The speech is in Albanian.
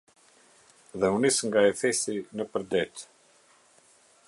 Dhe u nis nga Efesi nëpër det.